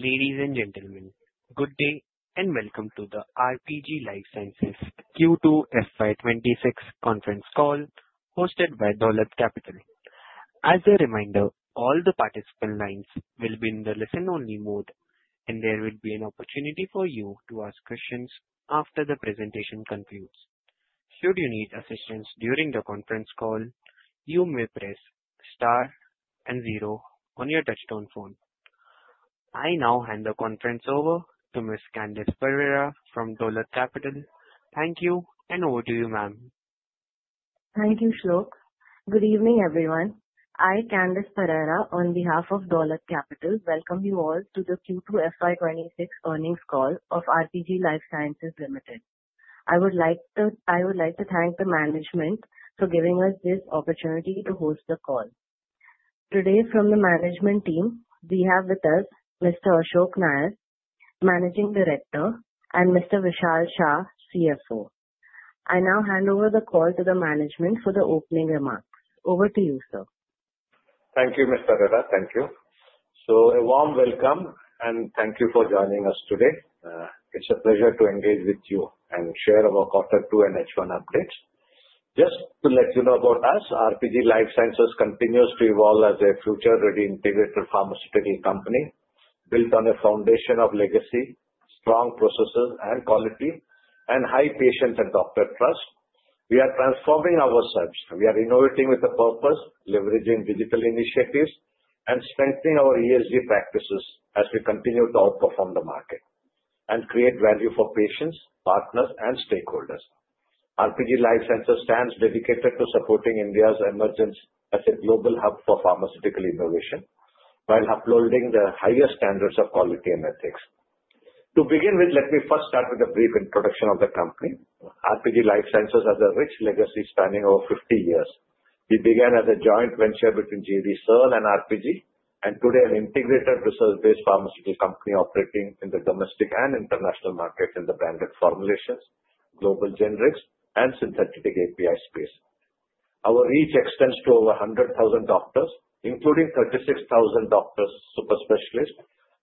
Ladies and gentlemen, good day and welcome to the RPG Life Sciences Q2 FY26 Conference Call hosted by Dolat Capital. As a reminder, all the participant lines will be in the listen-only mode, and there will be an opportunity for you to ask questions after the presentation concludes. Should you need assistance during the conference call, you may press star and zero on your touch-tone phone. I now hand the conference over to Ms. Candice Pereira from Dolat Capital. Thank you, and over to you, ma'am. Thank you, Shlok. Good evening, everyone. I, Candice Pereira, on behalf of Dolat Capital, welcome you all to the Q2 FY26 earnings call of RPG Life Sciences Limited. I would like to thank the management for giving us this opportunity to host the call. Today, from the management team, we have with us Mr. Ashok Nair, Managing Director, and Mr. Vishal Shah, CFO. I now hand over the call to the management for the opening remarks. Over to you, sir. Thank you, Ms. Pereira. Thank you. So, a warm welcome, and thank you for joining us today. It's a pleasure to engage with you and share our Quarter 2 and H1 updates. Just to let you know about us, RPG Life Sciences continues to evolve as a future-ready integrated pharmaceutical company built on a foundation of legacy, strong processes, and quality, and high patient and doctor trust. We are transforming ourselves. We are innovating with a purpose, leveraging digital initiatives, and strengthening our ESG practices as we continue to outperform the market and create value for patients, partners, and stakeholders. RPG Life Sciences stands dedicated to supporting India's emergence as a global hub for pharmaceutical innovation while upholding the highest standards of quality and ethics. To begin with, let me first start with a brief introduction of the company. RPG Life Sciences has a rich legacy spanning over 50 years. We began as a joint venture between G.D. Searle and RPG, and today, an integrated research-based pharmaceutical company operating in the domestic and international market in the branded formulations, global generics, and synthetic API space. Our reach extends to over 100,000 doctors, including 36,000 doctor super specialists.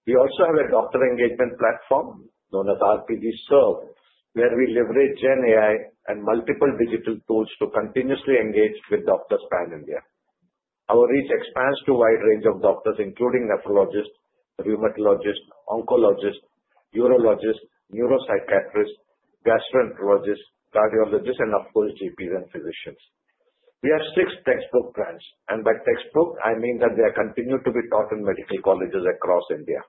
We also have a doctor engagement platform known as RPGServ, where we leverage GenAI and multiple digital tools to continuously engage with doctors pan-India. Our reach expands to a wide range of doctors, including nephrologists, rheumatologists, oncologists, urologists, neuropsychiatrists, gastroenterologists, cardiologists, and, of course, GPs and physicians. We have six textbook brands, and by textbook, I mean that they continue to be taught in medical colleges across India.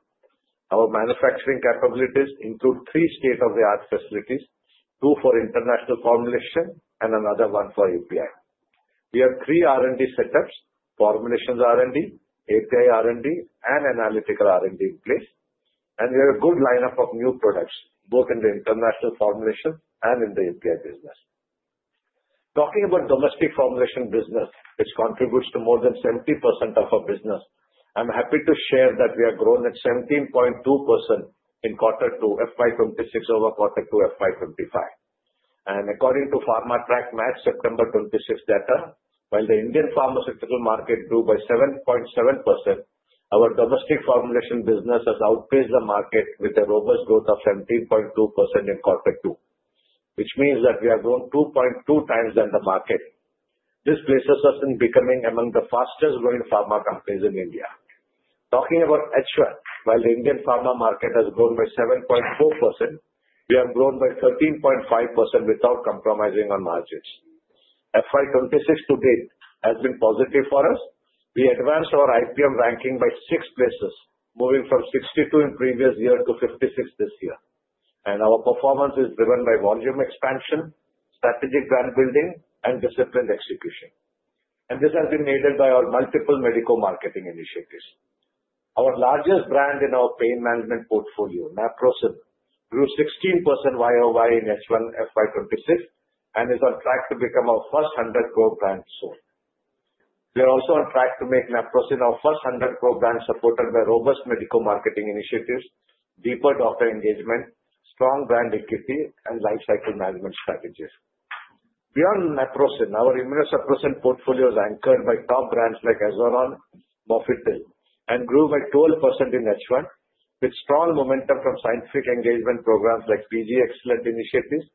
Our manufacturing capabilities include three state-of-the-art facilities, two for international formulation, and another one for API. We have three R&D setups: formulations R&D, API R&D, and analytical R&D in place, and we have a good lineup of new products, both in the international formulation and in the API business. Talking about domestic formulation business, which contributes to more than 70% of our business, I'm happy to share that we have grown at 17.2% in Quarter 2 FY26 over Quarter 2 FY25, and according to PharmaTrac MAT September 2026 data, while the Indian pharmaceutical market grew by 7.7%, our domestic formulation business has outpaced the market with a robust growth of 17.2% in Quarter 2, which means that we have grown 2.2 times than the market. This places us in becoming among the fastest-growing pharma companies in India. Talking about H1, while the Indian pharma market has grown by 7.4%, we have grown by 13.5% without compromising on margins. FY26 to date has been positive for us. We advanced our IPM ranking by six places, moving from 62 in the previous year to 56 this year, and our performance is driven by volume expansion, strategic brand building, and disciplined execution, and this has been aided by our multiple medical marketing initiatives. Our largest brand in our pain management portfolio, Naprosyn, grew 16% YOY in H1 FY26 and is on track to become our first 100 Crore brand soon. We are also on track to make Naprosyn our first 100 Crore brand supported by robust medical marketing initiatives, deeper doctor engagement, strong brand equity, and life cycle management strategies. Beyond Naprosyn, our immunosuppressant portfolio is anchored by top brands like Azoran, Mofetyl, and grew by 12% in H1 with strong momentum from scientific engagement programs like PG Excellence Initiatives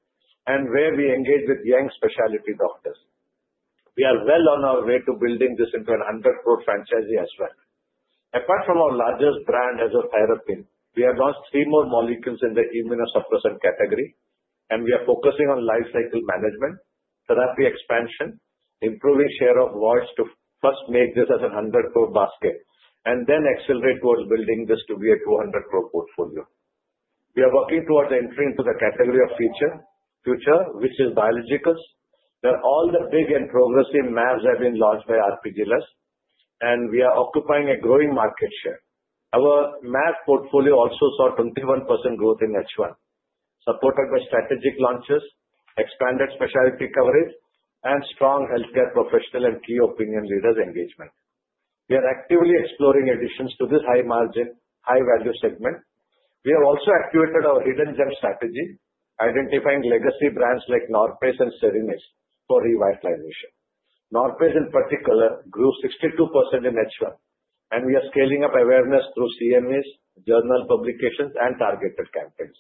and where we engage with young specialty doctors. We are well on our way to building this into a 100 Cr franchise in H1. Apart from our largest brand, Azathioprine, we have launched three more molecules in the immunosuppressant category, and we are focusing on life cycle management, therapy expansion, improving share of voice to first make this as a 100 Cr basket, and then accelerate towards building this to be a 200 Cr portfolio. We are working towards entering into the category of future, which is biologicals, where all the big and progressive mAbs have been launched by RPG Life, and we are occupying a growing market share. Our mAbs portfolio also saw 21% growth in H1, supported by strategic launches, expanded specialty coverage, and strong healthcare professional and key opinion leaders engagement. We are actively exploring additions to this high-margin, high-value segment. We have also activated our hidden gem strategy, identifying legacy brands like Norpace and Serenase for revitalization. Norpace, in particular, grew 62% in H1, and we are scaling up awareness through CMEs, journal publications, and targeted campaigns.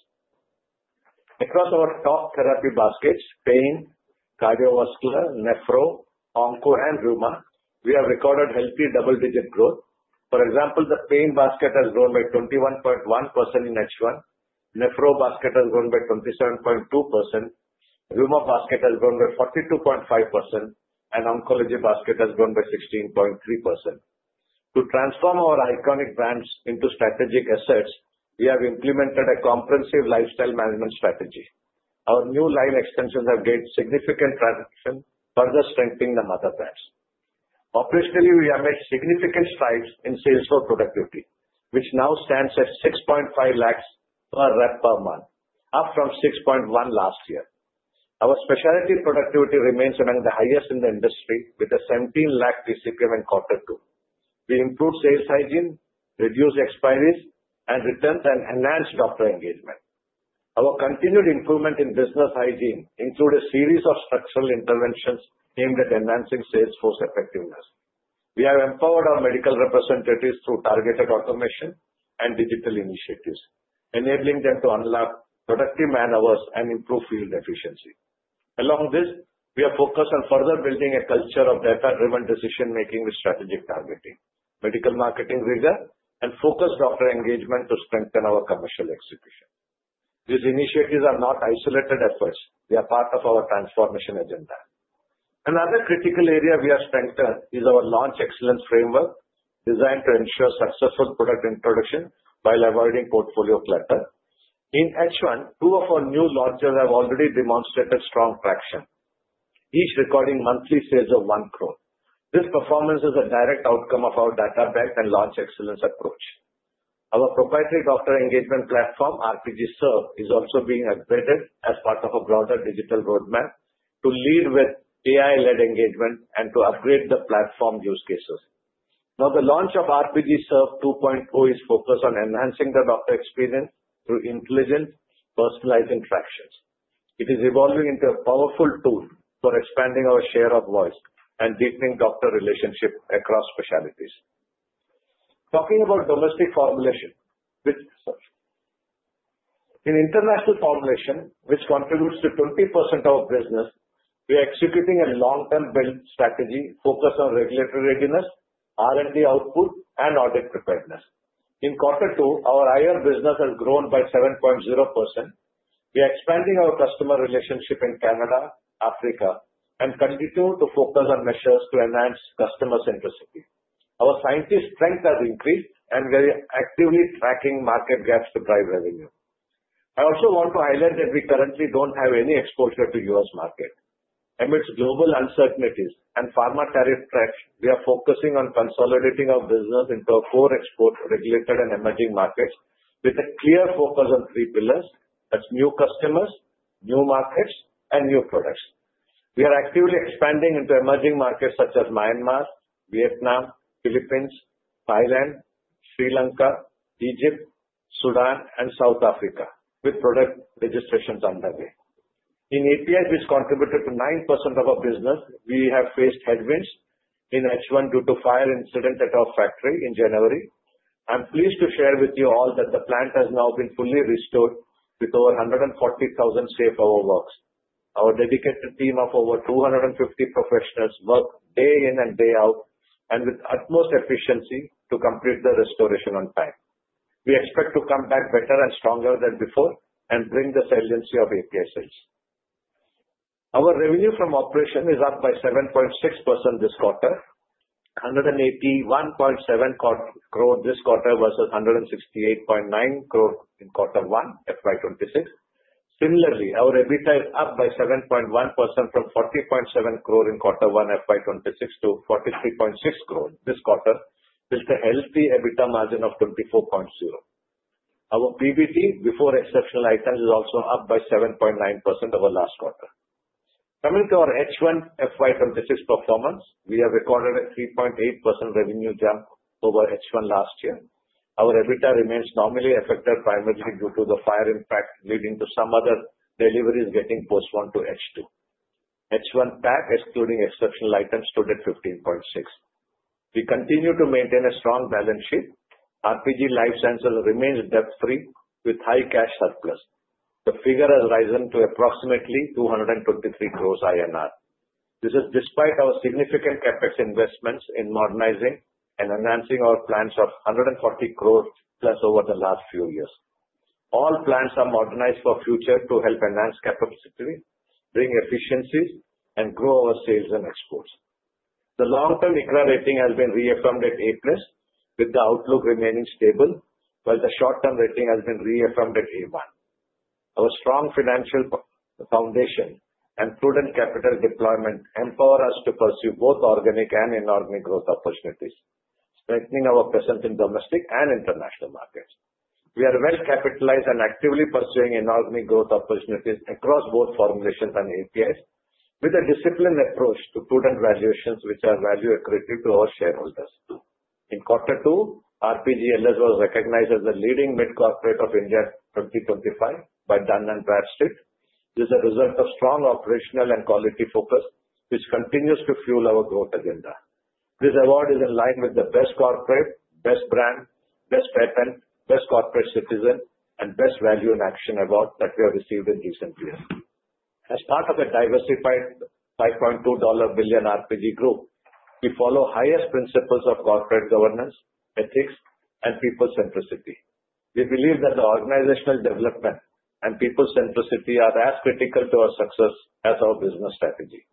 Across our top therapy baskets, pain, cardiovascular, nephro, onco, and rheuma, we have recorded healthy double-digit growth. For example, the pain basket has grown by 21.1% in H1, nephro basket has grown by 27.2%, rheuma basket has grown by 42.5%, and oncology basket has grown by 16.3%. To transform our iconic brands into strategic assets, we have implemented a comprehensive lifestyle management strategy. Our new line extensions have gained significant traction, further strengthening the mother brands. Operationally, we have made significant strides in sales force productivity, which now stands at 6.5 lakhs per rep per month, up from 6.1 last year. Our specialty productivity remains among the highest in the industry, with a 17 lakh PCPM in Quarter 2. We improved sales hygiene, reduced expiries, and enhanced doctor engagement. Our continued improvement in business hygiene includes a series of structural interventions aimed at enhancing sales force effectiveness. We have empowered our medical representatives through targeted automation and digital initiatives, enabling them to unlock productive man hours and improve field efficiency. Along this, we are focused on further building a culture of data-driven decision-making with strategic targeting, medical marketing rigor, and focused doctor engagement to strengthen our commercial execution. These initiatives are not isolated efforts. They are part of our transformation agenda. Another critical area we have strengthened is our launch excellence framework, designed to ensure successful product introduction while avoiding portfolio clutter. In H1, two of our new launches have already demonstrated strong traction, each recording monthly sales of 1 crore. This performance is a direct outcome of our data-backed and launch excellence approach. Our proprietary doctor engagement platform, RPGServ, is also being updated as part of a broader digital roadmap to lead with AI-led engagement and to upgrade the platform use cases. Now, the launch of RPGServ 2.0 is focused on enhancing the doctor experience through intelligent, personalized interactions. It is evolving into a powerful tool for expanding our share of voice and deepening doctor relationships across specialties. Talking about domestic formulation, in international formulation, which contributes to 20% of our business, we are executing a long-term build strategy focused on regulatory readiness, R&D output, and audit preparedness. In Quarter 2, our IR business has grown by 7.0%. We are expanding our customer relationship in Canada, Africa, and continue to focus on measures to enhance customer centricity. Our scientist strength has increased, and we are actively tracking market gaps to drive revenue. I also want to highlight that we currently don't have any exposure to the U.S. market. Amidst global uncertainties and pharma tariff threats, we are focusing on consolidating our business into a core export-regulated and emerging markets with a clear focus on three pillars: new customers, new markets, and new products. We are actively expanding into emerging markets such as Myanmar, Vietnam, the Philippines, Thailand, Sri Lanka, Egypt, Sudan, and South Africa, with product registrations underway. In APIs, which contributed to 9% of our business, we have faced headwinds in H1 due to a fire incident at our factory in January. I'm pleased to share with you all that the plant has now been fully restored with over 140,000 safe man-hours. Our dedicated team of over 250 professionals works day in and day out and with utmost efficiency to complete the restoration on time. We expect to come back better and stronger than before and bring the salience of API sales. Our revenue from operations is up by 7.6% this quarter, 181.7 crore this quarter versus 168.9 crore in Quarter 1 FY26. Similarly, our EBITDA is up by 7.1% from 40.7 crore in Quarter 1 FY26 to 43.6 crore this quarter, with a healthy EBITDA margin of 24.0%. Our PBT before exceptional items is also up by 7.9% over last quarter. Coming to our H1 FY26 performance, we have recorded a 3.8% revenue jump over H1 last year. Our EBITDA remains normally affected primarily due to the fire impact leading to some other deliveries getting postponed to H2. H1 PAT, excluding exceptional items, stood at 15.6. We continue to maintain a strong balance sheet. RPG Life Sciences remains debt-free with high cash surplus. The figure has risen to approximately 223 crores INR. This is despite our significant CapEx investments in modernizing and enhancing our plants of 140 crores plus over the last few years. All plants are modernized for the future to help enhance capacity, bring efficiencies, and grow our sales and exports. The long-term ICRA rating has been reaffirmed at A+, with the outlook remaining stable, while the short-term rating has been reaffirmed at A1. Our strong financial foundation and prudent capital deployment empower us to pursue both organic and inorganic growth opportunities, strengthening our presence in domestic and international markets. We are well capitalized and actively pursuing inorganic growth opportunities across both formulations and APIs, with a disciplined approach to prudent valuations, which are value-accretive to our shareholders. In Quarter 2, RPG LS was recognized as the leading mid-corporate of India 2025 by Dun & Bradstreet, which is a result of strong operational and quality focus, which continues to fuel our growth agenda. This award is in line with the Best Corporate, Best Brand, Best Patent, Best Corporate Citizen, and Best Value in Action awards that we have received in recent years. As part of a diversified $5.2 billion RPG Group, we follow the highest principles of corporate governance, ethics, and people centricity. We believe that the organizational development and people centricity are as critical to our success as our business strategy.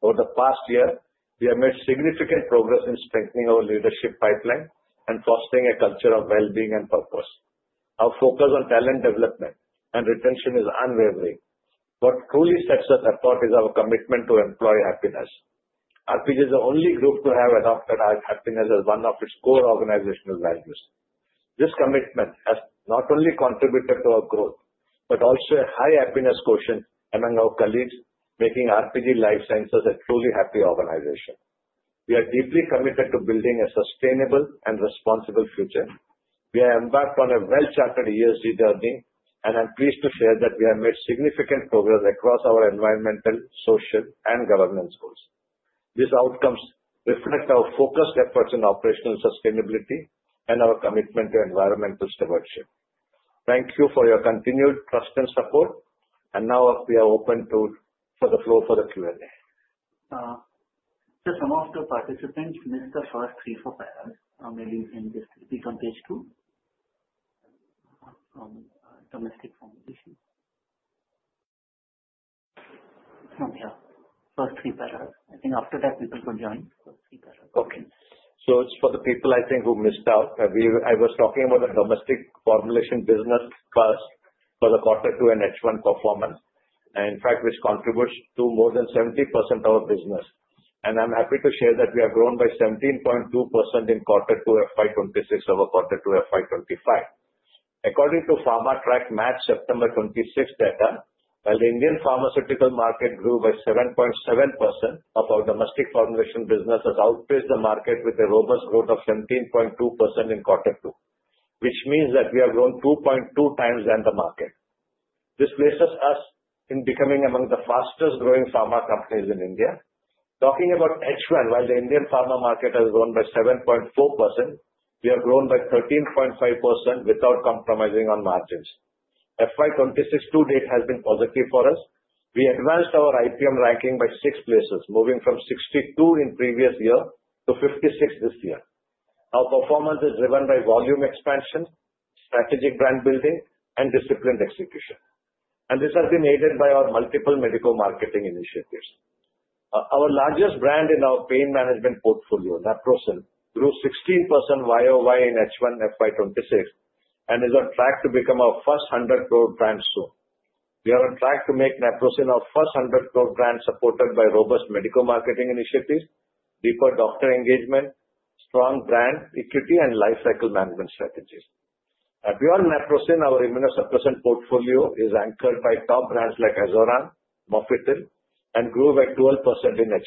Over the past year, we have made significant progress in strengthening our leadership pipeline and fostering a culture of well-being and purpose. Our focus on talent development and retention is unwavering. What truly sets us apart is our commitment to employee happiness. RPG is the only group to have adopted happiness as one of its core organizational values. This commitment has not only contributed to our growth but also a high happiness quotient among our colleagues, making RPG Life Sciences a truly happy organization. We are deeply committed to building a sustainable and responsible future. We are embarked on a well-charted ESG journey, and I'm pleased to share that we have made significant progress across our environmental, social, and governance goals. These outcomes reflect our focused efforts in operational sustainability and our commitment to environmental stewardship. Thank you for your continued trust and support, and now we are open to the floor for the Q&A. Just among the participants, list the first three or five remaining in this on page two from domestic formulation. Yeah, first three paragraphs. I think after that, people could join. Okay. So it's for the people, I think, who missed out. I was talking about a domestic formulation business first for the Quarter 2 and H1 performance, and in fact, which contributes to more than 70% of our business. And I'm happy to share that we have grown by 17.2% in Quarter 2 FY26 over Quarter 2 FY25. According to PharmaTrac MAT September 2026 data, while the Indian pharmaceutical market grew by 7.7%, our domestic formulation business has outpaced the market with a robust growth of 17.2% in Quarter 2, which means that we have grown 2.2 times than the market. This places us in becoming among the fastest-growing pharma companies in India. Talking about H1, while the Indian pharma market has grown by 7.4%, we have grown by 13.5% without compromising on margins. FY26 to date has been positive for us. We advanced our IPM ranking by six places, moving from 62 in the previous year to 56 this year. Our performance is driven by volume expansion, strategic brand building, and disciplined execution, and this has been aided by our multiple medical marketing initiatives. Our largest brand in our pain management portfolio, Naprosyn, grew 16% YOY in H1 FY26 and is on track to become our first 100 crore brand soon. We are on track to make Naprosyn our first 100 crore brand supported by robust medical marketing initiatives, deeper doctor engagement, strong brand equity, and life cycle management strategies. Beyond Naprosyn, our immunosuppressant portfolio is anchored by top brands like Azoran, Mofetyl, and grew by 12% in H1.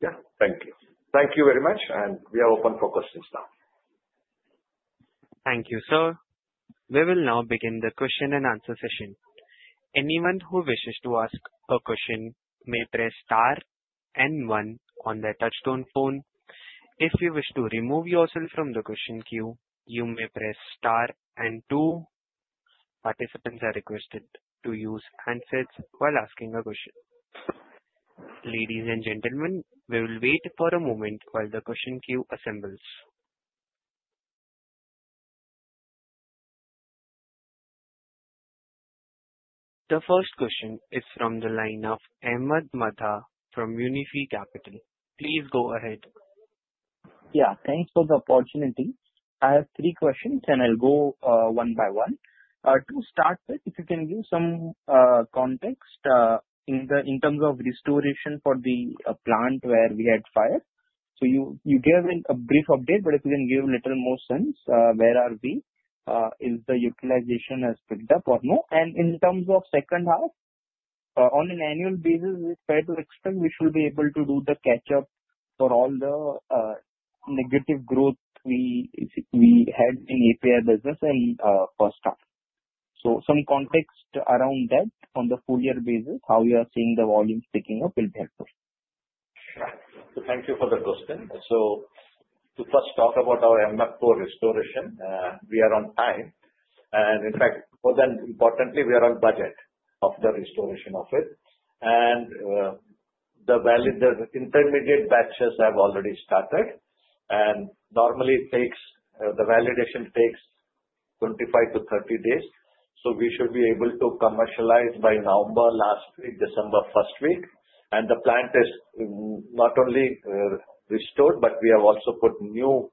Yeah, thank you. Thank you very much, and we are open for questions now. Thank you, sir. We will now begin the question and answer session. Anyone who wishes to ask a question may press star and one on their touch-tone phone. If you wish to remove yourself from the question queue, you may press star and two. Participants are requested to use handsets while asking a question. Ladies and gentlemen, we will wait for a moment while the question queue assembles. The first question is from the line of Ahmed Madha from Unifi Capital. Please go ahead. Yeah, thanks for the opportunity. I have three questions, and I'll go one by one. To start with, if you can give some context in terms of restoration for the plant where we had fire. So you gave a brief update, but if you can give a little more sense, where are we? Is the utilization as picked up or no? And in terms of second half, on an annual basis, it's fair to expect we should be able to do the catch-up for all the negative growth we had in API business and first half. So some context around that on the full-year basis, how we are seeing the volume picking up will be helpful. So thank you for the question. So to first talk about our MR4 restoration, we are on time. And in fact, more than importantly, we are on budget of the restoration of it. And the intermediate batches have already started. And normally, the validation takes 25-30 days. So we should be able to commercialize by November last week, December first week. And the plant is not only restored, but we have also put new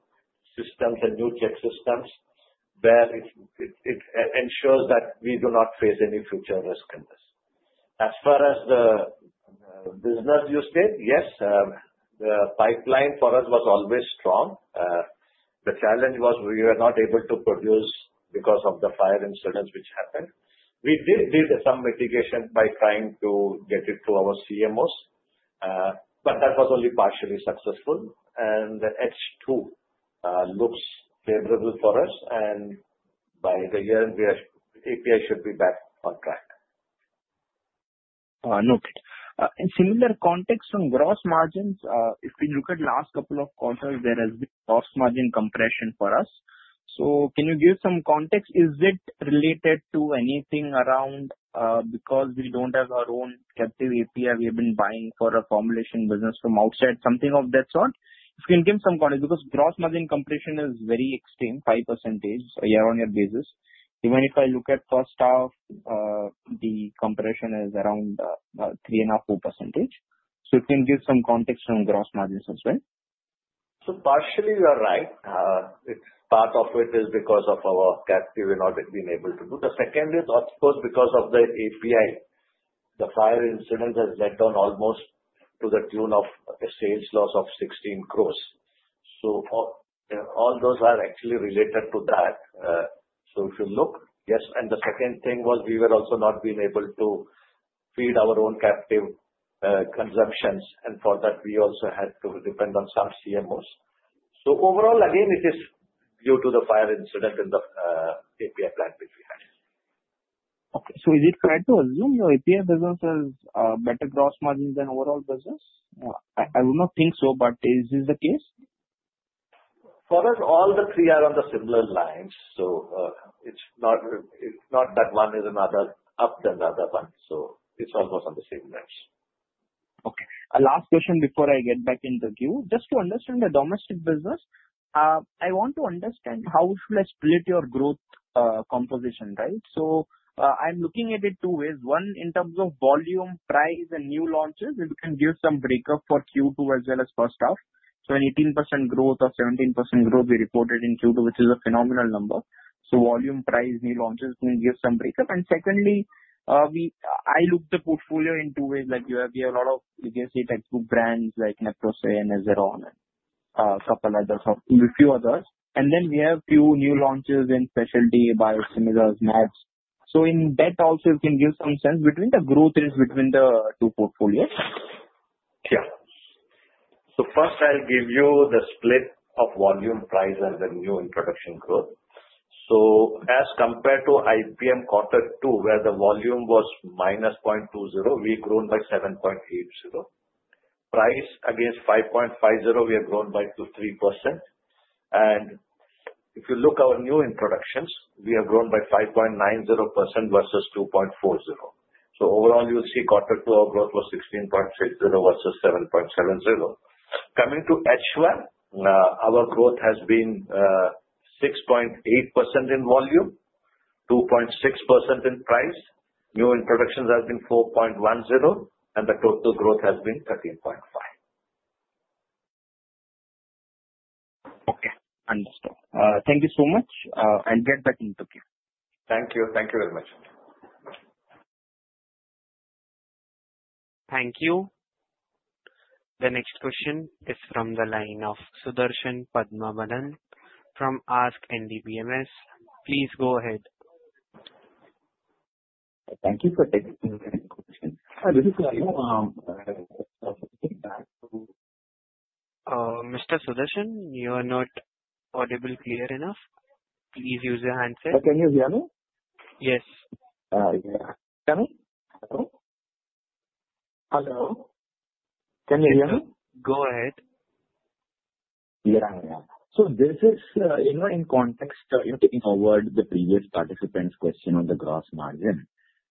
systems and new check systems where it ensures that we do not face any future risk in this. As far as the business use case, yes, the pipeline for us was always strong. The challenge was we were not able to produce because of the fire incidents which happened. We did do some mitigation by trying to get it to our CMOs, but that was only partially successful, and the H2 looks favorable for us, and by the year, API should be back on track. Noted. In similar context, on gross margins, if we look at the last couple of quarters, there has been gross margin compression for us, so can you give some context? Is it related to anything around, because we don't have our own captive API we have been buying for a formulation business from outside, something of that sort? If you can give some context because gross margin compression is very extreme, 5% year-on-year basis. Even if I look at cost compression, it is around 3.5%. So if you can give some context on gross margins as well. So partially, you are right. Part of it is because of our captive and all that we've been able to do. The second is, of course, because of the API. The fire incident has led to almost to the tune of a sales loss of 16 crores. So all those are actually related to that. So if you look, yes. And the second thing was we were also not being able to feed our own captive consumptions. And for that, we also had to depend on some CMOs. So overall, again, it is due to the fire incident in the API plant which we had. Okay. So is it fair to assume your API business has better gross margins than overall business? I would not think so, but is this the case? For us, all the three are on the similar lines. So it's not that one is another up than the other one. So it's almost on the same lines. Okay. Last question before I get back in the queue. Just to understand the domestic business, I want to understand how you should split your growth composition, right? So I'm looking at it two ways. One, in terms of volume, price, and new launches, if you can give some breakup for Q2 as well as first half. So an 18% growth or 17% growth we reported in Q2, which is a phenomenal number. So volume, price, new launches can give some breakup. And secondly, I looked at the portfolio in two ways. Like you have, we have a lot of legacy textbook brands like Naprosyn and Azoran and a couple of other a few others. And then we have a few new launches in specialty, biosimilars, meds. So in that also, if you can give some sense between the growth is between the two portfolios. Yeah. So first, I'll give you the split of volume, price, and the new introduction growth. So as compared to IPM Quarter 2, where the volume was minus 0.20%, we've grown by 7.80%. Price against 5.50%, we have grown by 3%. And if you look at our new introductions, we have grown by 5.90% versus 2.40%. So overall, you'll see Quarter 2, our growth was 16.60% versus 7.70%. Coming to H1, our growth has been 6.8% in volume, 2.6% in price. New introductions have been 4.10%, and the total growth has been 13.5%. Okay. Understood. Thank you so much. I'll get back into queue. Thank you. Thank you very much. Thank you. The next question is from the line of Sudarshan Padmanabhan from ASK Investment Managers. Please go ahead. Thank you for taking the question. This is for you. Mr. Sudarshan, you are not audible clear enough. Please use your handset. Can you hear me? Yes. Yeah. Can you? Hello? Hello? Can you hear me? Go ahead. Yeah. So this is in context, taking forward the previous participant's question on the gross margin.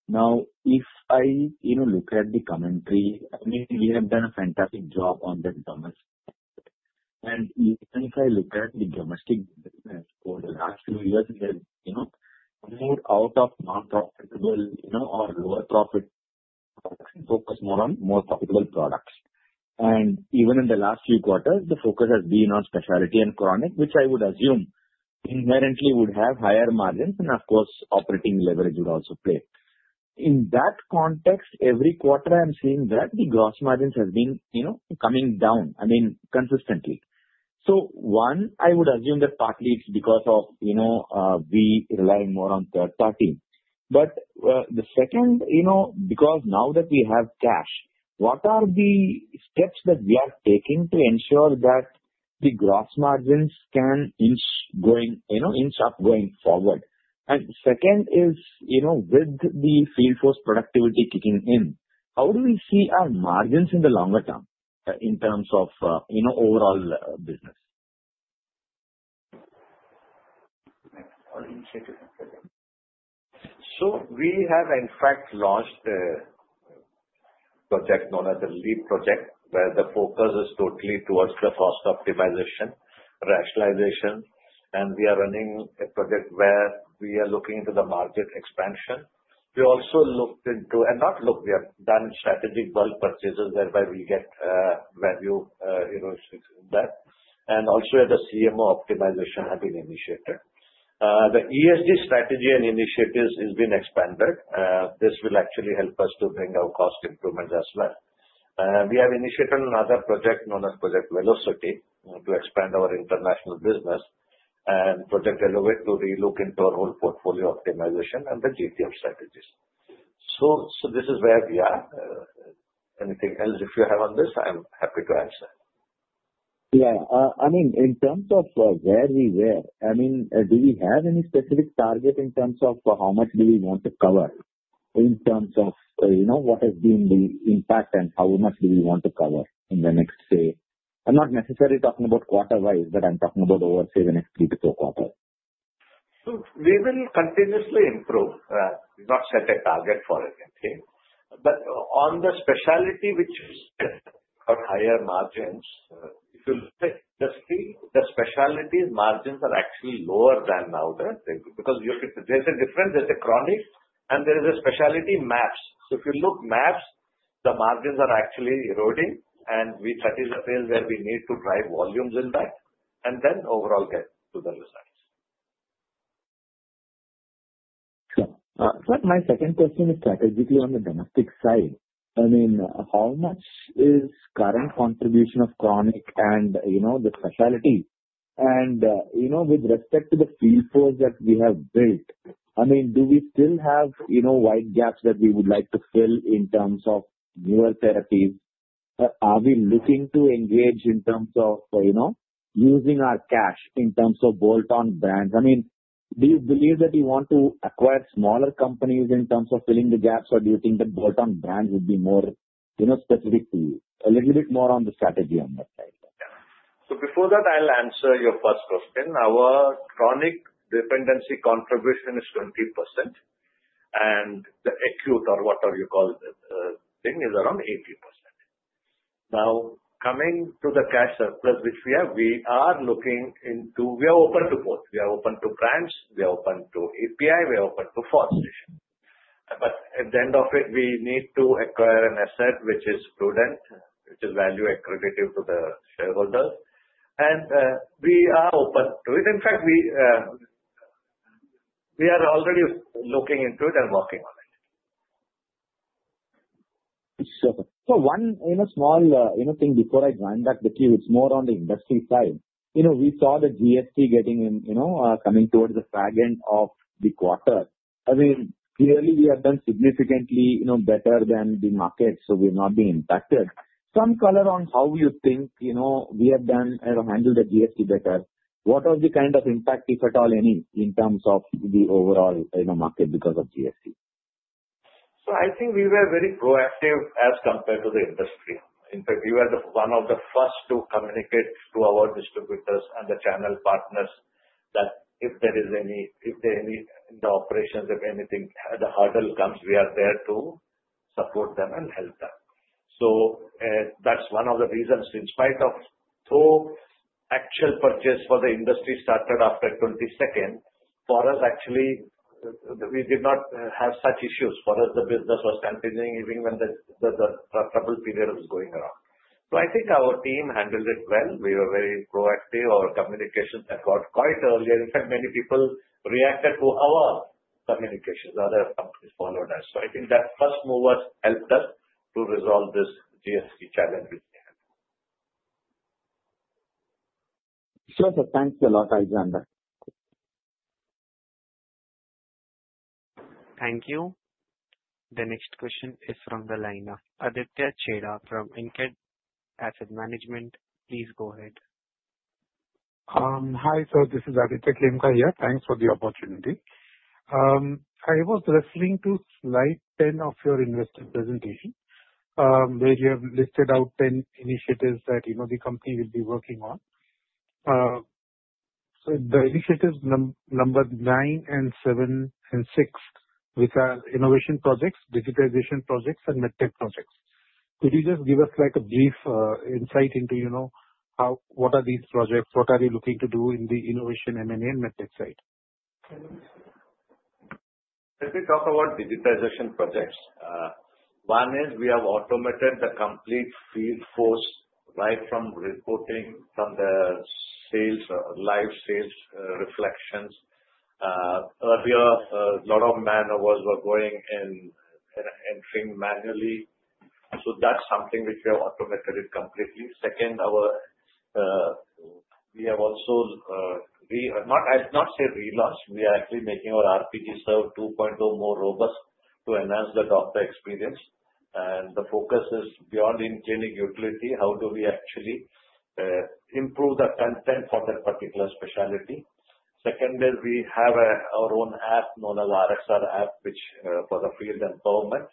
Now, if I look at the commentary, I mean, we have done a fantastic job on the domestic. And even if I look at the domestic business over the last few years, we have moved out of non-profitable or lower profit products and focused more on more profitable products. And even in the last few quarters, the focus has been on specialty and chronic, which I would assume inherently would have higher margins. And of course, operating leverage would also play. In that context, every quarter, I'm seeing that the gross margins have been coming down, I mean, consistently. So one, I would assume that partly it's because of we relying more on third-party. But the second, because now that we have cash, what are the steps that we are taking to ensure that the gross margins can inch up going forward? And second is, with the field force productivity kicking in, how do we see our margins in the longer term in terms of overall business? So we have, in fact, launched a project known as the LEEP project, where the focus is totally towards the cost optimization, rationalization. And we are running a project where we are looking into the market expansion. We also looked into and not looked, we have done strategic bulk purchases whereby we get value in that. And also, the CMO optimization has been initiated. The ESG strategy and initiatives have been expanded. This will actually help us to bring our cost improvements as well. We have initiated another project known as Project Velocity to expand our international business and Project Elevate to relook into our whole portfolio optimization and the GTM strategies. So this is where we are. Anything else if you have on this? I'm happy to answer. Yeah. I mean, in terms of where we were, I mean, do we have any specific target in terms of how much do we want to cover in terms of what has been the impact and how much do we want to cover in the next, say, I'm not necessarily talking about quarter-wise, but I'm talking about, let's say, the next three to four quarters. So we will continuously improve. We've not set a target for anything, but on the specialty, which is at higher margins, if you look at the specialty margins are actually lower than NSAIDs because there's a difference. There's a chronic, and there is a specialty mAbs, so if you look at mAbs, the margins are actually eroding, and we strategically say that we need to drive volumes in that and then overall get to the results. But my second question is strategically on the domestic side. I mean, how much is current contribution of chronic and the specialty? And with respect to the field force that we have built, I mean, do we still have white gaps that we would like to fill in terms of newer therapies? Are we looking to engage in terms of using our cash in terms of bolt-on brands? I mean, do you believe that you want to acquire smaller companies in terms of filling the gaps, or do you think that bolt-on brands would be more specific to you? A little bit more on the strategy on that side. So before that, I'll answer your first question. Our chronic dependency contribution is 20%, and the acute or whatever you call it, thing is around 80%. Now, coming to the cash surplus which we have, we are looking into. We are open to both. We are open to brands. We are open to API. We are open to formulations. But at the end of it, we need to acquire an asset which is prudent, which is value-accretive to the shareholders. And we are open to it. In fact, we are already looking into it and working on it. So one small thing before I get back to the queue, it's more on the industry side. We saw the GST getting in, coming towards the fag end of the quarter. I mean, clearly, we have done significantly better than the market, so we have not been impacted. Some color on how you think we have done or handled the GST better. What was the kind of impact, if at all any, in terms of the overall market because of GST? So I think we were very proactive as compared to the industry. In fact, we were one of the first to communicate to our distributors and the channel partners that if there is any in the operations, if anything, the hurdle comes, we are there to support them and help them. So that's one of the reasons. In spite of though actual purchase for the industry started after 22nd, for us, actually, we did not have such issues. For us, the business was continuing even when the trouble period was going around. So I think our team handled it well. We were very proactive. Our communications got quite early. In fact, many people reacted to our communications. Other companies followed us. So I think that first move has helped us to resolve this GST challenge which we had. Sure. Thanks a lot, Alexander. Thank you. The next question is from the line of Aditya Khemka from InCred Asset Management. Please go ahead. Hi. So this is Aditya Khemka here. Thanks for the opportunity. I was listening to slide 10 of your investor presentation where you have listed out 10 initiatives that the company will be working on. So the initiatives number nine and seven and six, which are innovation projects, digitization projects, and medtech projects. Could you just give us a brief insight into what are these projects? What are you looking to do in the innovation M&A and medtech side? Let me talk about digitization projects. One is we have automated the complete field force right from reporting from the live sales reflections. Earlier, a lot of man hours were going and entering manually. So that's something which we have automated it completely. Second, we have also now relaunched. We are actually making our RPGServ 2.0 more robust to enhance the doctor experience. And the focus is beyond in-clinic utility, how do we actually improve the content for that particular specialty. Secondly, we have our own app known as RxR app, which is for the field empowerment.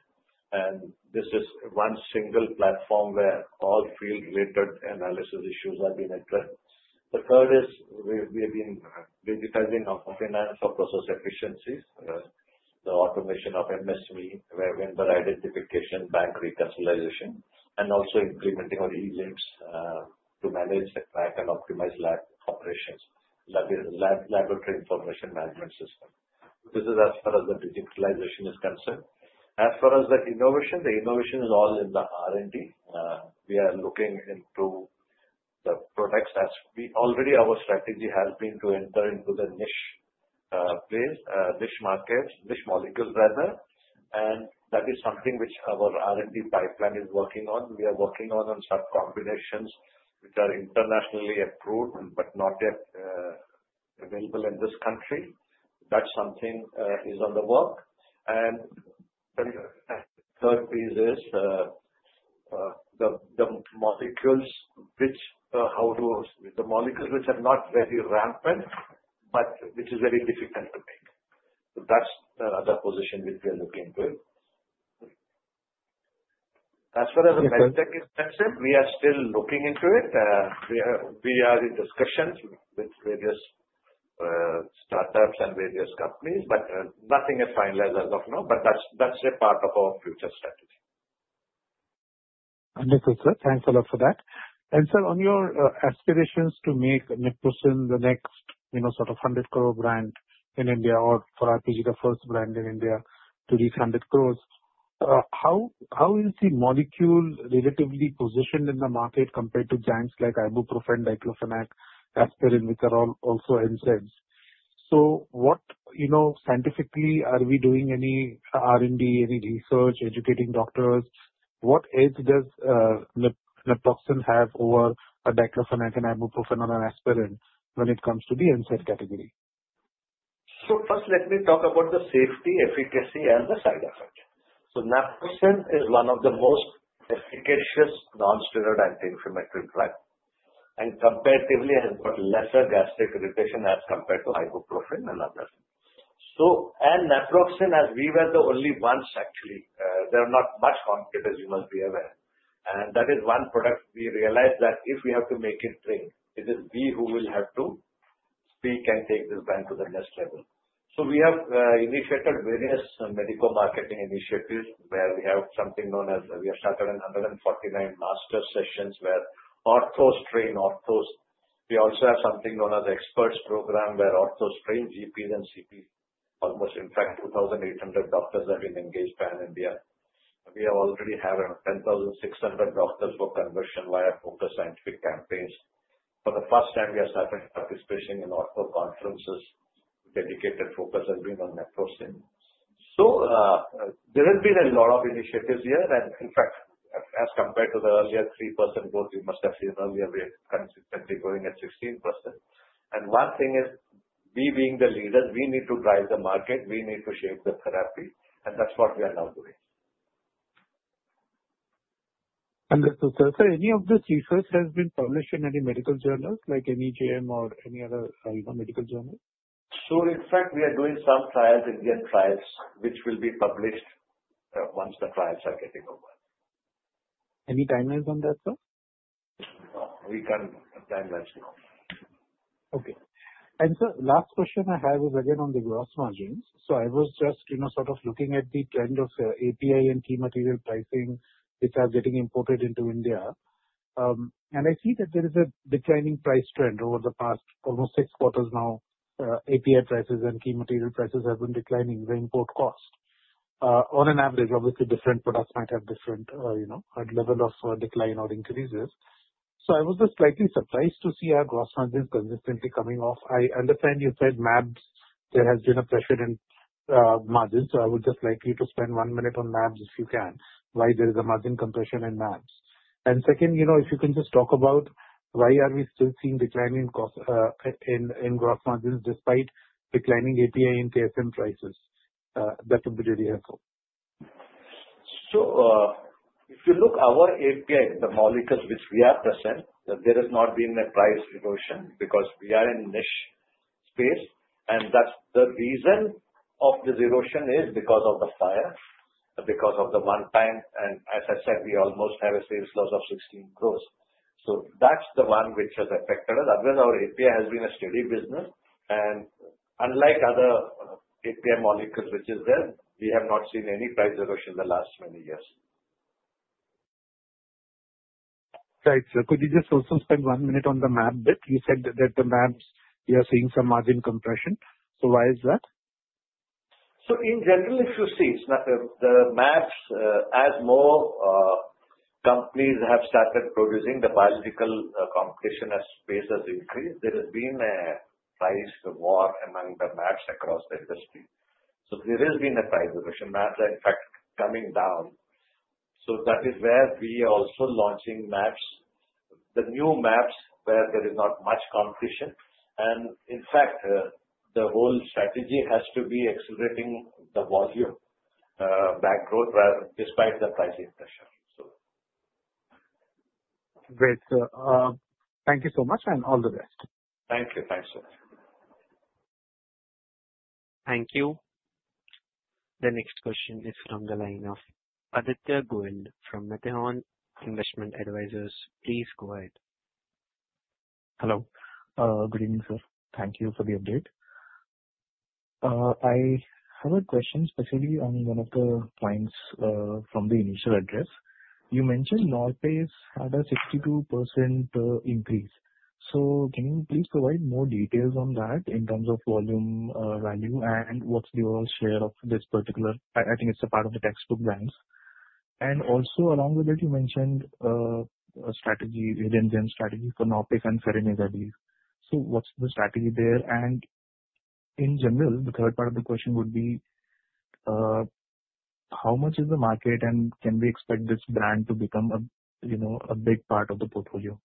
And this is one single platform where all field-related analytics issues have been addressed. The third is we have been digitizing our finances for process efficiencies, the automation of MSV, where vendor identification, bank reconciliation, and also implementing our e-links to manage, track, and optimize lab operations, laboratory information management system. This is as far as the digitization is concerned. As far as the innovation, the innovation is all in the R&D. We are looking into the products, as we already have. A strategy has been to enter into the niche markets, niche molecules rather. And that is something which our R&D pipeline is working on. We are working on some combinations which are internationally approved but not yet available in this country. That's something that is in the works. And the third piece is the molecules which are not very rampant, but which is very difficult to make. So that's another position which we are looking to. As far as the medtech is concerned, we are still looking into it. We are in discussions with various startups and various companies, but nothing is finalized as of now. But that's a part of our future strategy. Understood, sir. Thanks a lot for that. And sir, on your aspirations to make Naprosyn the next sort of 100-crore brand in India or for RPG, the first brand in India to reach 100 crores, how is the molecule relatively positioned in the market compared to giants like ibuprofen, diclofenac, aspirin, which are also NSAIDs? So what scientifically are we doing any R&D, any research, educating doctors? What edge does Naproxen have over diclofenac and ibuprofen or aspirin when it comes to the NSAID category? So first, let me talk about the safety, efficacy, and the side effect. So Naprosyn is one of the most efficacious non-steroidal anti-inflammatory drug. And comparatively, it has got lesser gastric irritation as compared to ibuprofen and others. And Naproxen, as we were the only ones actually, there are not much companies as you must be aware. And that is one product we realized that if we have to make it big, it is we who will have to speak and take this brand to the next level. So we have initiated various medical marketing initiatives where we have something known as we have started 149 master sessions where orthos train orthos. We also have something known as the experts program where orthos trained, GPs and CPs. Almost, in fact, 2,800 doctors have been engaged pan-India. We already have 10,600 doctors for conversion via focus scientific campaigns. For the first time, we are starting participation in ortho conferences. Dedicated focus has been on Naprosyn. So there have been a lot of initiatives here. And in fact, as compared to the earlier 3% growth we must have seen earlier, we are consistently growing at 16%. And one thing is, we being the leaders, we need to drive the market. We need to shape the therapy. And that's what we are now doing. Understood, sir. So any of this research has been published in any medical journals like NEJM or any other medical journal? So in fact, we are doing some trials, Indian trials, which will be published once the trials are getting over. Any timelines on that, sir? We can't have timelines, no. Okay. And sir, last question I have is again on the gross margins. So I was just sort of looking at the trend of API and key material pricing, which are getting imported into India. And I see that there is a declining price trend over the past almost six quarters now. API prices and key material prices have been declining the import cost. On an average, obviously, different products might have different level of decline or increases. So I was just slightly surprised to see our gross margins consistently coming off. I understand you said mAbs, there has been a pressure in margins. So I would just like you to spend one minute on mAbs if you can, why there is a margin compression in mAbs. And second, if you can just talk about why are we still seeing decline in gross margins despite declining API and KSM prices. That would be really helpful. So if you look at our API, the molecules which we have present, there has not been a price erosion because we are in niche space. And that's the reason of this erosion is because of the fire, because of the one time. And as I said, we almost have a sales loss of 16 crores. So that's the one which has affected us. Otherwise, our API has been a steady business. And unlike other API molecules which is there, we have not seen any price erosion in the last many years. Right. So could you just also spend one minute on the mAb bit? You said that the mAbs, you are seeing some margin compression. So why is that? So in general, if you see, the mAbs, as more companies have started producing, the biological competition space has increased. There has been a price war among the mAbs across the industry. So there has been a price erosion. mAbs are in fact coming down. So that is where we are also launching mAbs, the new mAbs where there is not much competition. And in fact, the whole strategy has to be accelerating the volume back growth despite the pricing pressure, so. Great. Thank you so much and all the best. Thank you. Thanks, sir. Thank you. The next question is from the line of Aditya Goel from Methion Investment Advisors. Please go ahead. Hello. Good evening, sir. Thank you for the update. I have a question specifically on one of the points from the initial address. You mentioned Norpace had a 62% increase. So can you please provide more details on that in terms of volume, value, and what's the overall share of this particular? I think it's a part of the textbook brands. And also along with it, you mentioned a strategy, a Hidden Gem strategy for Norpace and Serenase, I believe. So what's the strategy there? And in general, the third part of the question would be, how much is the market and can we expect this brand to become a big part of the portfolio?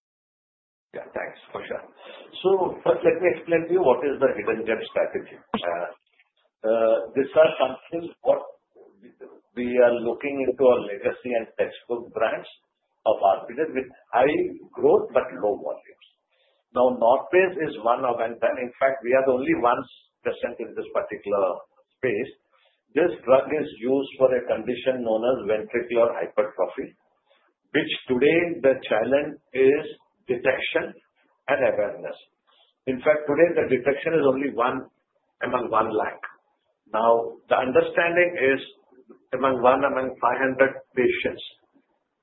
Yeah. Thanks for that. So let me explain to you what is the hidden gem strategy. These are companies what we are looking into our legacy and textbook brands of artificial with high growth but low volumes. Now, Norpace is one of them. In fact, we are the only ones present in this particular space. This drug is used for a condition known as ventricular hypertrophy, which today the challenge is detection and awareness. In fact, today the detection is only one among 1 lakh. Now, the understanding is among one among 500 patients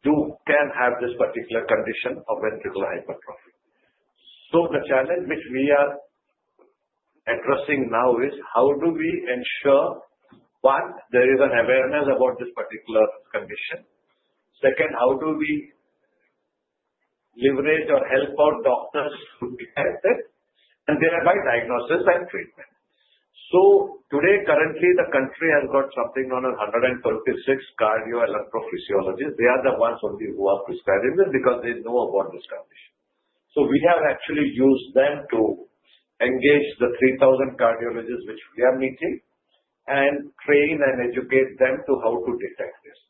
who can have this particular condition of ventricular hypertrophy. So the challenge which we are addressing now is how do we ensure, one, there is an awareness about this particular condition. Second, how do we leverage or help out doctors who can help it and thereby, diagnosis and treatment. So today, currently, the country has got something known as 126 cardioelectrophysiologists. They are the ones only who are prescribing this because they know about this condition. So we have actually used them to engage the 3,000 cardiologists which we are meeting and train and educate them to how to detect this.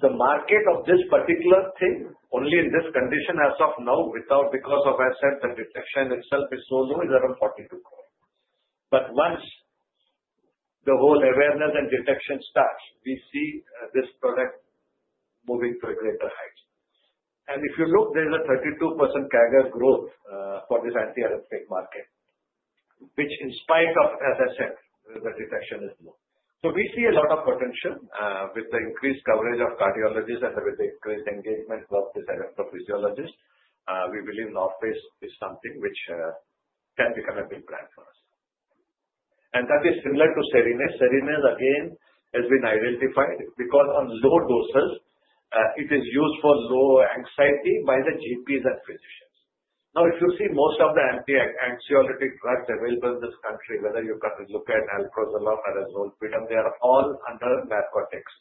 The market of this particular thing, only in this condition as of now, because of, as I said, the detection itself is so low, is around 42 crores. But once the whole awareness and detection starts, we see this product moving to a greater height. And if you look, there is a 32% CAGR growth for this anti-arrhythmic market, which in spite of, as I said, the detection is low. So we see a lot of potential with the increased coverage of cardiologists and with the increased engagement of these electrophysiologists. We believe Norpace is something which can become a big brand for us. And that is similar to Serenase. Serenase, again, has been identified because on low doses, it is used for low anxiety by the GPs and physicians. Now, if you see most of the anxiolytic drugs available in this country, whether you look at Alprazolam, Risperidone, they are all under narcotics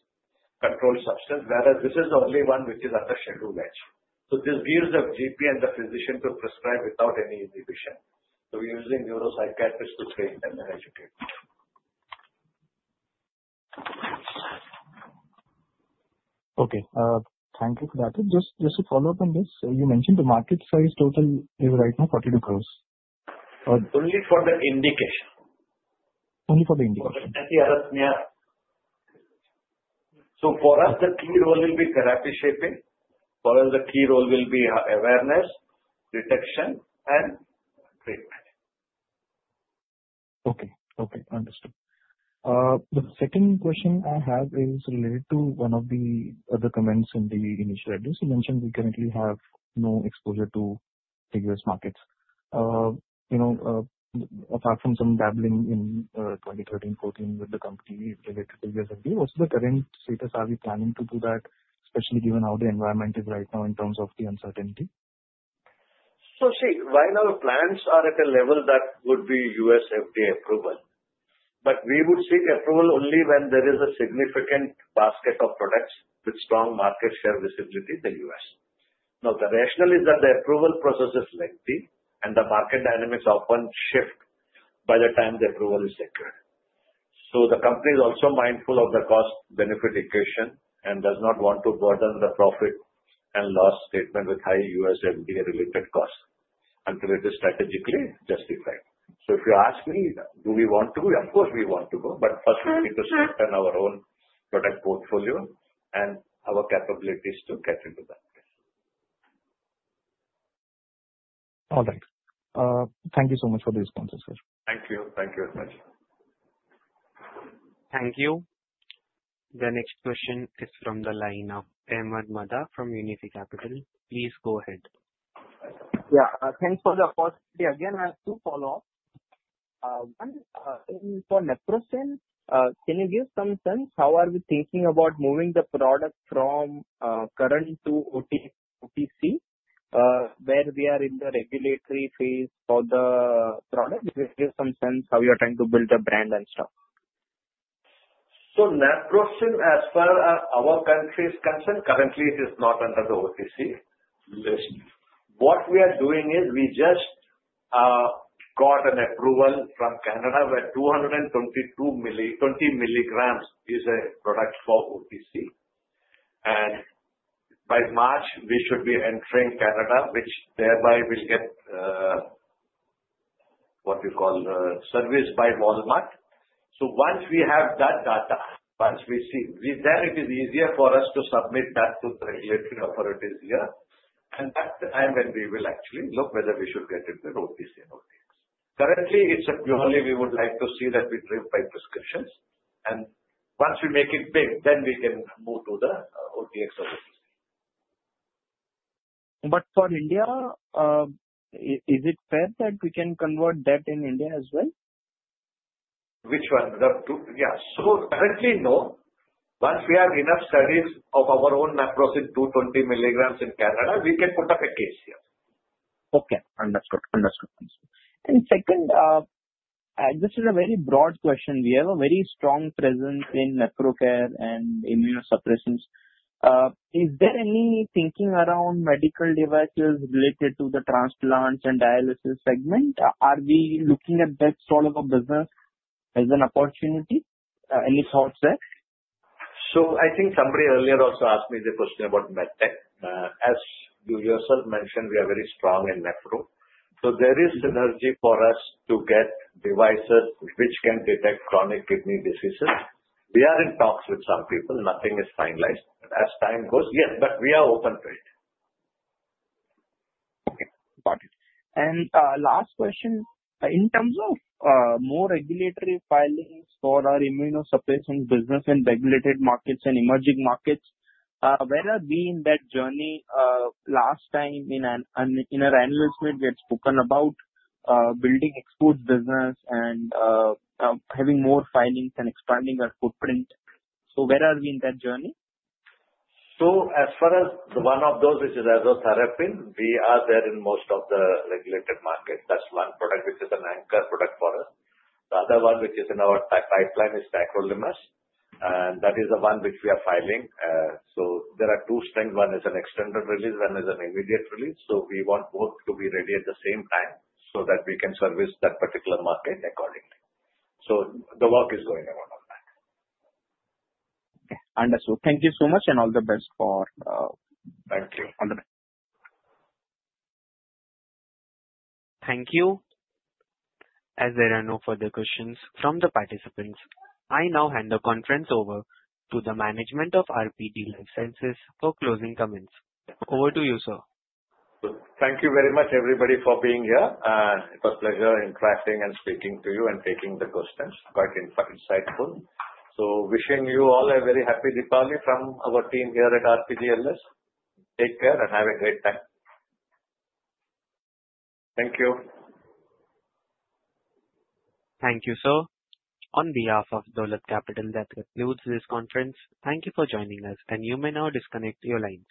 controlled substance, whereas this is the only one which is at the Schedule H. So this gives the GP and the physician to prescribe without any inhibition. So we're using neuropsychiatrists to train them and educate them. Okay. Thank you for that. Just to follow up on this, you mentioned the market size total is right now 42 crores. Only for the indication. Only for the indication. For the anti-arrhythmia. So for us, the key role will be therapy shaping. For us, the key role will be awareness, detection, and treatment. Okay. Okay. Understood. The second question I have is related to one of the other comments in the initial address. You mentioned we currently have no exposure to the U.S. markets. Apart from some dabbling in 2013, 2014 with the company related to US FDA, what's the current status? Are we planning to do that, especially given how the environment is right now in terms of the uncertainty? So see, while our plans are at a level that would be U.S. FDA approval, but we would seek approval only when there is a significant basket of products with strong market share visibility in the US. Now, the rationale is that the approval process is lengthy and the market dynamics often shift by the time the approval is secured. So the company is also mindful of the cost-benefit equation and does not want to burden the profit and loss statement with high U.S. FDA-related costs until it is strategically justified. So if you ask me, do we wa nt to go? Of course, we want to go. But first, we need to strengthen our own product portfolio and our capabilities to get into that. All right. Thank you so much for the responses, sir. Thank you. Thank you very much. Thank you. The next question is from the line of Ahmed Madha from Unifi Capital. Please go ahead. Yeah. Thanks for the opportunity. Again, I have two follow-ups. One, for Naprosyn, can you give some sense how are we thinking about moving the product from current to OTC where we are in the regulatory phase for the product? Give some sense how you are trying to build a brand and stuff. So Naprosyn, as far as our country is concerned, currently it is not under the OTC. What we are doing is we just got an approval from Canada where 220 milligrams is a product for OTC. By March, we should be entering Canada, which thereby will get what we call serviced by Walmart. So once we have that data, once we see, then it is easier for us to submit that to the regulatory authorities here. That's the time when we will actually look whether we should get into OTC and OTX. Currently, it's a purely we would like to see that we driven by prescriptions. Once we make it big, then we can move to the OTX or OTC. But for India, is it fair that we can convert that in India as well? Which one? Yeah. So currently, no. Once we have enough studies of our own Naprosyn 220 milligrams in Canada, we can put up a case here. Okay. Understood. Understood. Understood. Second, this is a very broad question. We have a very strong presence in nephro care and immunosuppressants. Is there any thinking around medical devices related to the transplants and dialysis segment? Are we looking at that sort of a business as an opportunity? Any thoughts there? So I think somebody earlier also asked me the question about MedTech. As you yourself mentioned, we are very strong in nephro. So there is synergy for us to get devices which can detect chronic kidney diseases. We are in talks with some people. Nothing is finalized as time goes. Yes, but we are open to it. Okay. Got it. And last question, in terms of more regulatory filings for our immunosuppressant business and regulated markets and emerging markets, where are we in that journey? Last time in our analyst meet, we had spoken about building export business and having more filings and expanding our footprint. So where are we in that journey? So as far as one of those, which is Azathioprine, we are there in most of the regulated markets. That's one product which is an anchor product for us. The other one which is in our pipeline is Tacrolimus. And that is the one which we are filing. So there are two strengths. One is an extended release. One is an immediate release. So we want both to be ready at the same time so that we can service that particular market accordingly. So the work is going on that. Okay. Understood. Thank you so much and all the best for. Thank you. All the best. Thank you. As there are no further questions from the participants, I now hand the conference over to the management of RPG Life Sciences for closing comments. Over to you, sir. Thank you very much, everybody, for being here. It was a pleasure interacting and speaking to you and taking the questions. Quite insightful. So wishing you all a very happy Diwali from our team here at RPG LS. Take care and have a great time. Thank you. Thank you, sir. On behalf of Dolat Capital, that concludes this conference, thank you for joining us, and you may now disconnect your lines.